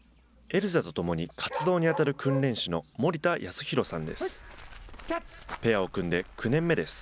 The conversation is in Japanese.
エルザと共に活動に当たる訓練士の森田康博さんです。